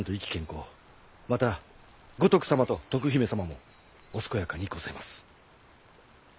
また五徳様と登久姫様もお健やかにございます。